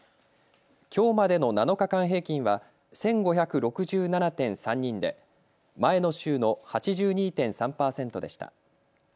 きょうまでの７日間平均は１５６７．３人で前の週の８２．３％でした。